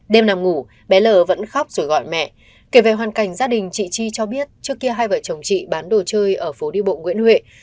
đêm nằm ngủ bé l vẫn khóc rồi gọi mẹ kể về hoàn cảnh gia đình chị chi cho biết trước kia hai vợ chồng chị bán đồ chơi ở phố đi bộ nguyễn huệ